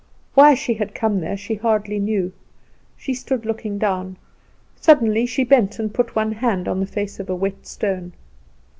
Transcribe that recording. Why she had come there she hardly knew; she stood looking down. Suddenly she bent and put one hand on the face of a wet stone.